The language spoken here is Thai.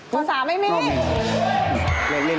ข้อสามไม่มีไม่มีไม่มีไม่มีไม่มีไม่มี